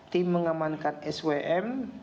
tim mengamankan swm